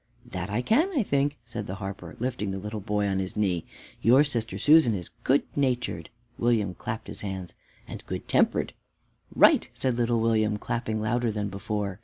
"That I can, I think," said the harper, lifting the little boy on his knee. "Your sister Susan is good natured." William clapped his hands. "And good tempered." "Right," said little William, clapping louder than before.